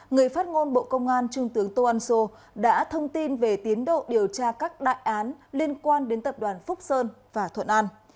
người phát ngôn bộ công an trung tướng tô ân sô đã thông tin về tiến độ điều tra các đại án liên quan đến tập đoàn phúc sơn và thuận an